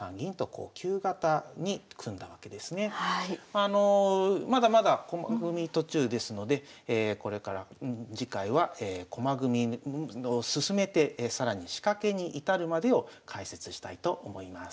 あのまだまだ駒組み途中ですのでこれから次回は駒組みを進めて更に仕掛けに至るまでを解説したいと思います。